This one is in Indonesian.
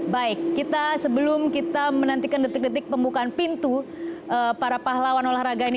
baik kita sebelum kita menantikan detik detik pembukaan pintu para pahlawan olahraga ini